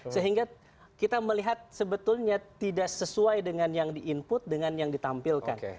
sehingga kita melihat sebetulnya tidak sesuai dengan yang di input dengan yang ditampilkan